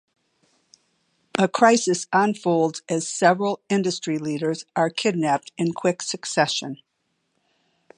A crisis unfolds as several industry leaders are kidnapped in quick succession.